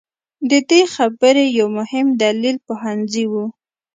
د دې خبرې یو مهم دلیل پوهنځي وو.